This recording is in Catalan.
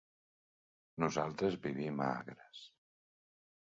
Nosaltres vivim a Agres.